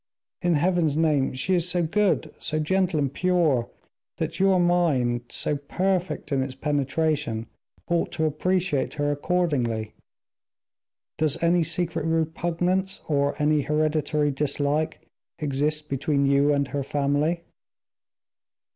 In Heaven's name, she is so good, so gentle and pure, that your mind, so perfect in its penetration, ought to appreciate her accordingly. Does any secret repugnance, or any hereditary dislike, exist between you and her family?"